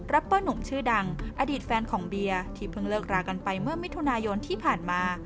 เปอร์หนุ่มชื่อดังอดีตแฟนของเบียร์ที่เพิ่งเลิกรากันไปเมื่อมิถุนายนที่ผ่านมา